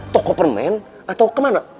toko permen atau ke mana